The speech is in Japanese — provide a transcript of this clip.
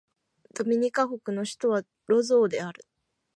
ドミニカ国の首都はロゾーである